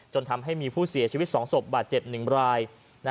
ทำให้มีผู้เสียชีวิต๒ศพบาดเจ็บ๑ราย